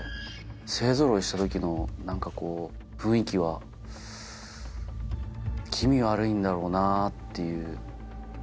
勢ぞろいした時の何かこう雰囲気は気味悪いんだろうなっていう。